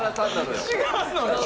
違うのよ。